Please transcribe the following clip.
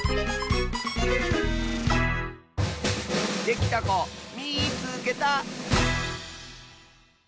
できたこみいつけた！